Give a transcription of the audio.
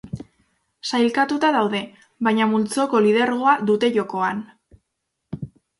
Sailkatuta daude, baina multzoko lidergoa dute jokoan.